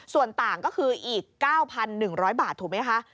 ส่วนต่างก็คืออีก๙๑๐๐บาทถูกไหมคะ